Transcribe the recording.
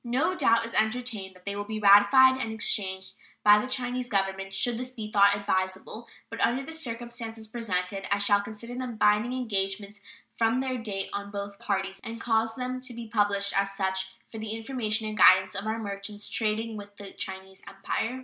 No doubt is entertained that they will be ratified and exchanged by the Chinese Government should this be thought advisable; but under the circumstances presented I shall consider them binding engagements from their date on both parties, and cause them to be published as such for the information and guidance of our merchants trading with the Chinese Empire.